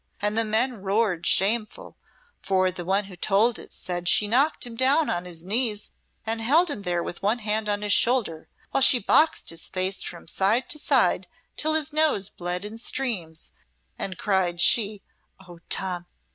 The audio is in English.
And the men roared shameful, for the one who told it said she knocked him down on his knees and held him there with one hand on his shoulder while she boxed his face from side to side till his nose bled in streams, and cried she (Oh, Tom!)